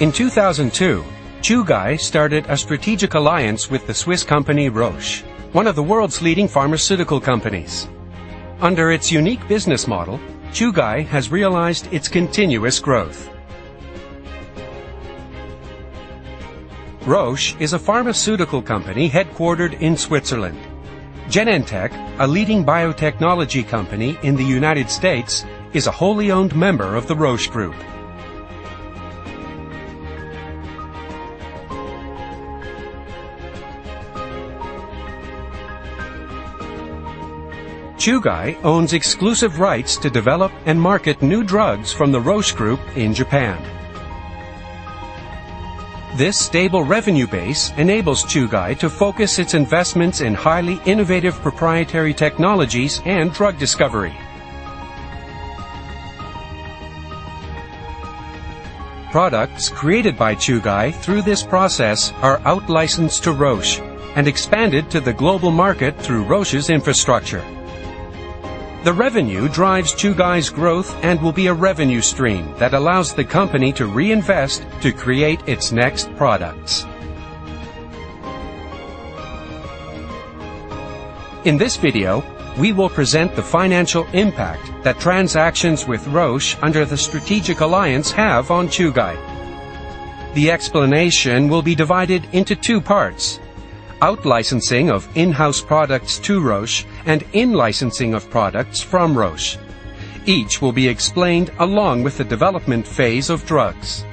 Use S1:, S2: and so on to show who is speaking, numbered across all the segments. S1: In 2002, Chugai started a strategic alliance with the Swiss company Roche, one of the world's leading pharmaceutical companies. Under its unique business model, Chugai has realized its continuous growth. Roche is a pharmaceutical company headquartered in Switzerland. Genentech, a leading biotechnology company in the United States, is a wholly owned member of the Roche Group. Chugai owns exclusive rights to develop and market new drugs from the Roche Group in Japan. This stable revenue base enables Chugai to focus its investments in highly innovative proprietary technologies and drug discovery. Products created by Chugai through this process are out-licensed to Roche and expanded to the global market through Roche's infrastructure. The revenue drives Chugai's growth and will be a revenue stream that allows the company to reinvest to create its next products. In this video, we will present the financial impact that transactions with Roche under the strategic alliance have on Chugai. The explanation will be divided into two parts: out-licensing of in-house products to Roche and in-licensing of products from Roche. Each will be explained along with the development phase of drugs.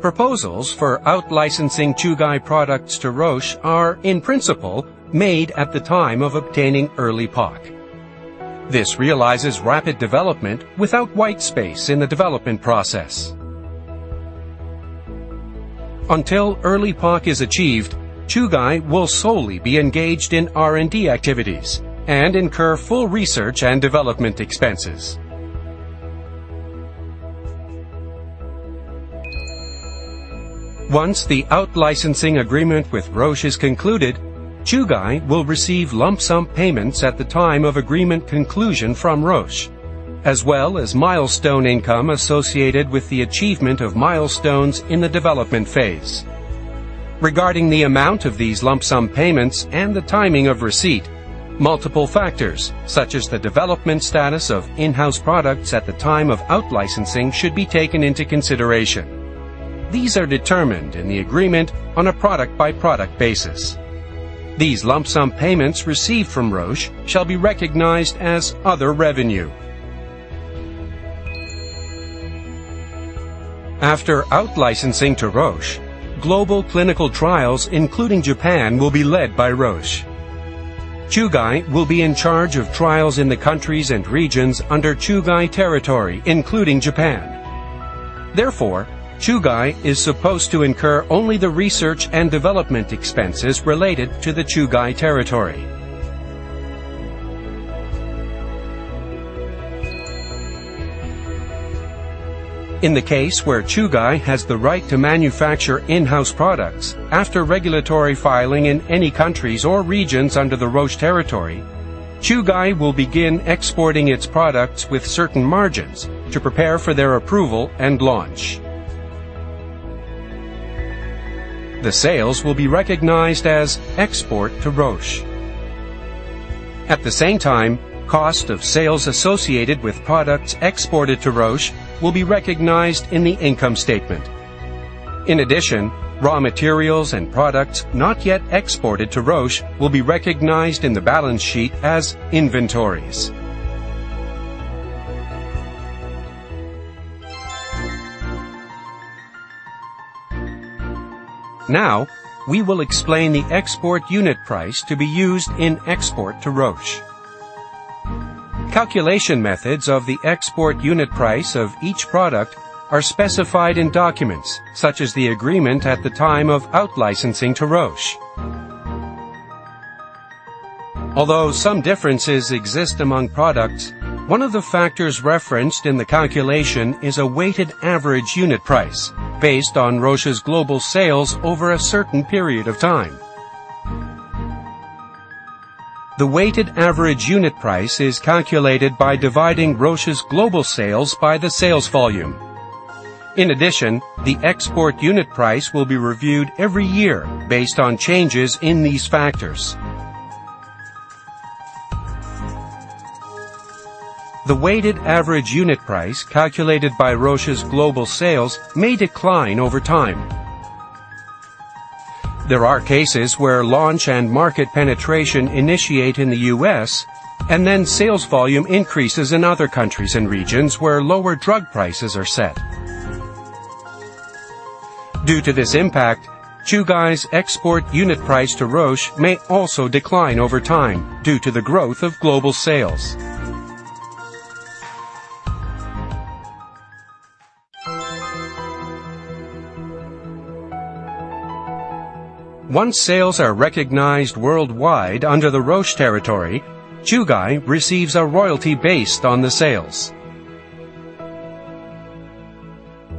S1: Proposals for out-licensing Chugai products to Roche are, in principle, made at the time of obtaining early PoC. This realizes rapid development without white space in the development process. Until early PoC is achieved, Chugai will solely be engaged in R&D activities and incur full research and development expenses. Once the out-licensing agreement with Roche is concluded, Chugai will receive lump sum payments at the time of agreement conclusion from Roche, as well as milestone income associated with the achievement of milestones in the development phase. Regarding the amount of these lump sum payments and the timing of receipt, multiple factors, such as the development status of in-house products at the time of out-licensing, should be taken into consideration. These are determined in the agreement on a product-by-product basis. These lump sum payments received from Roche shall be recognized as other revenue. After out-licensing to Roche, global clinical trials, including Japan, will be led by Roche. Chugai will be in charge of trials in the countries and regions under Chugai territory, including Japan. Therefore, Chugai is supposed to incur only the research and development expenses related to the Chugai territory. In the case where Chugai has the right to manufacture in-house products after regulatory filing in any countries or regions under the Roche territory, Chugai will begin exporting its products with certain margins to prepare for their approval and launch. The sales will be recognized as export to Roche. At the same time, cost of sales associated with products exported to Roche will be recognized in the income statement. In addition, raw materials and products not yet exported to Roche will be recognized in the balance sheet as inventories. Now, we will explain the export unit price to be used in export to Roche. Calculation methods of the export unit price of each product are specified in documents, such as the agreement at the time of out-licensing to Roche. Although some differences exist among products, one of the factors referenced in the calculation is a weighted average unit price based on Roche's global sales over a certain period of time. The weighted average unit price is calculated by dividing Roche's global sales by the sales volume. In addition, the export unit price will be reviewed every year based on changes in these factors. The weighted average unit price calculated by Roche's global sales may decline over time. There are cases where launch and market penetration initiate in the U.S., and then sales volume increases in other countries and regions where lower drug prices are set. Due to this impact, Chugai's export unit price to Roche may also decline over time due to the growth of global sales. Once sales are recognized worldwide under the Roche territory, Chugai receives a royalty based on the sales.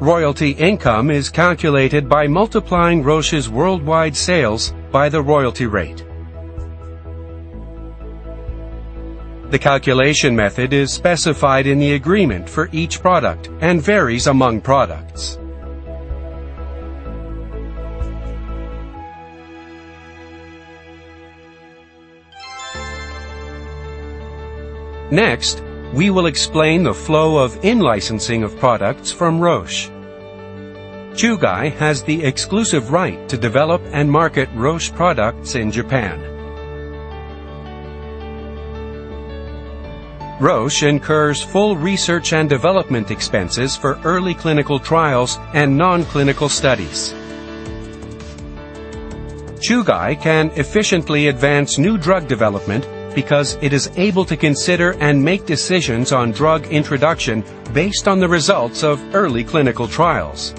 S1: Royalty income is calculated by multiplying Roche's worldwide sales by the royalty rate. The calculation method is specified in the agreement for each product and varies among products. Next, we will explain the flow of in-licensing of products from Roche. Chugai has the exclusive right to develop and market Roche products in Japan. Roche incurs full research and development expenses for early clinical trials and non-clinical studies. Chugai can efficiently advance new drug development because it is able to consider and make decisions on drug introduction based on the results of early clinical trials.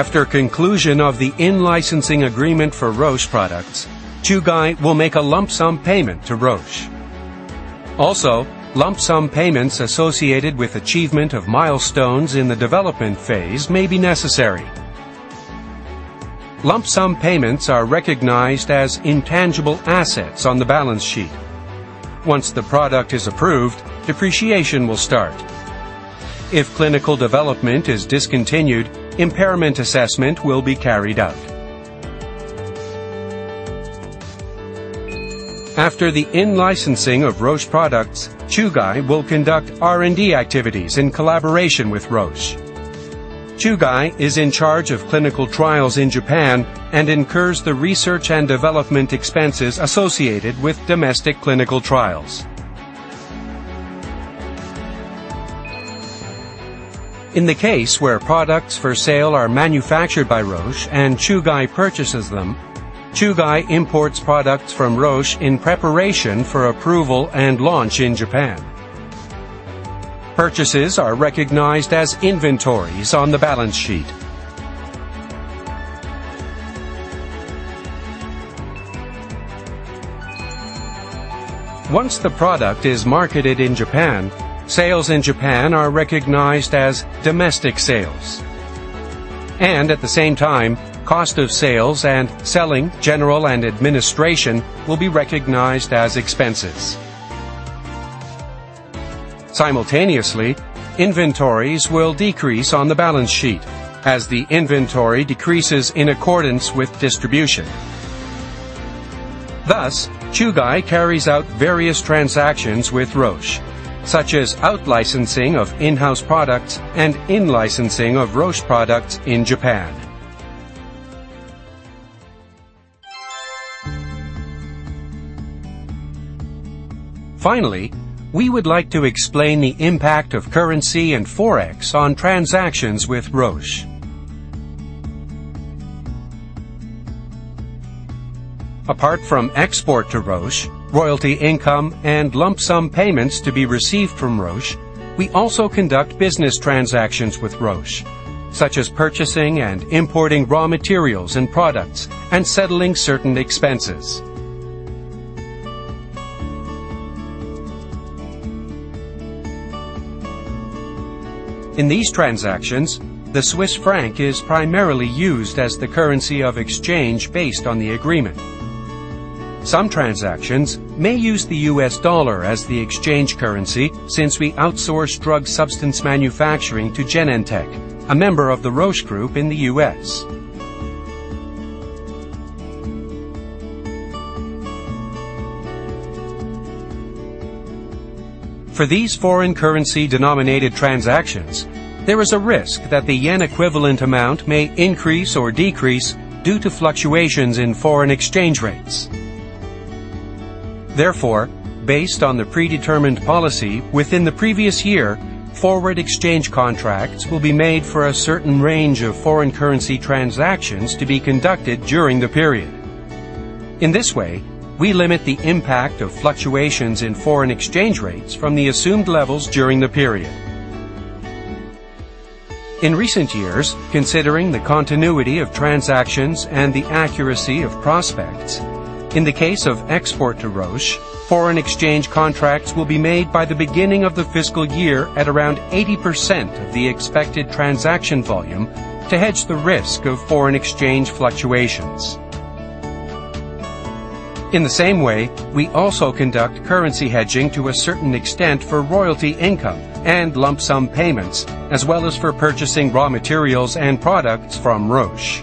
S1: After conclusion of the in-licensing agreement for Roche products, Chugai will make a lump sum payment to Roche. Also, lump sum payments associated with achievement of milestones in the development phase may be necessary. Lump sum payments are recognized as intangible assets on the balance sheet. Once the product is approved, depreciation will start. If clinical development is discontinued, impairment assessment will be carried out. After the in-licensing of Roche products, Chugai will conduct R&D activities in collaboration with Roche. Chugai is in charge of clinical trials in Japan and incurs the research and development expenses associated with domestic clinical trials. In the case where products for sale are manufactured by Roche and Chugai purchases them, Chugai imports products from Roche in preparation for approval and launch in Japan. Purchases are recognized as inventories on the balance sheet. Once the product is marketed in Japan, sales in Japan are recognized as domestic sales, and at the same time, cost of sales and selling, general, and administration will be recognized as expenses. Simultaneously, inventories will decrease on the balance sheet as the inventory decreases in accordance with distribution. Thus, Chugai carries out various transactions with Roche, such as out-licensing of in-house products and in-licensing of Roche products in Japan. Finally, we would like to explain the impact of currency and forex on transactions with Roche. Apart from export to Roche, royalty income, and lump sum payments to be received from Roche, we also conduct business transactions with Roche, such as purchasing and importing raw materials and products and settling certain expenses. In these transactions, the Swiss franc is primarily used as the currency of exchange based on the agreement. Some transactions may use the U.S. dollar as the exchange currency since we outsource drug substance manufacturing to Genentech, a member of the Roche Group in the U.S. For these foreign currency denominated transactions, there is a risk that the yen equivalent amount may increase or decrease due to fluctuations in foreign exchange rates. Therefore, based on the predetermined policy within the previous year, forward exchange contracts will be made for a certain range of foreign currency transactions to be conducted during the period. In this way, we limit the impact of fluctuations in foreign exchange rates from the assumed levels during the period. In recent years, considering the continuity of transactions and the accuracy of prospects, in the case of export to Roche, foreign exchange contracts will be made by the beginning of the fiscal year at around 80% of the expected transaction volume to hedge the risk of foreign exchange fluctuations. In the same way, we also conduct currency hedging to a certain extent for royalty income and lump sum payments, as well as for purchasing raw materials and products from Roche.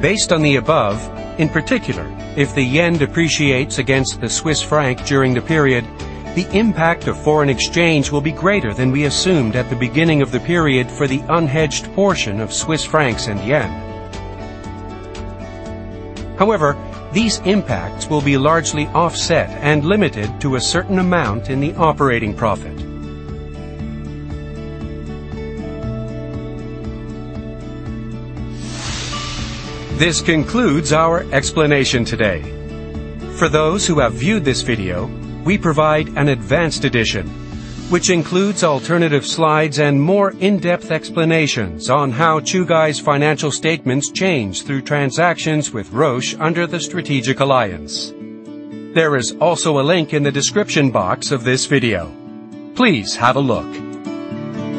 S1: Based on the above, in particular, if the yen depreciates against the Swiss franc during the period, the impact of foreign exchange will be greater than we assumed at the beginning of the period for the unhedged portion of Swiss francs and yen. However, these impacts will be largely offset and limited to a certain amount in the operating profit. This concludes our explanation today. For those who have viewed this video, we provide an advanced edition, which includes alternative slides and more in-depth explanations on how Chugai's financial statements change through transactions with Roche under the strategic alliance. There is also a link in the description box of this video. Please have a look.